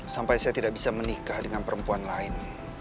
sampai saya tidak bisa menikah dengan perempuan lain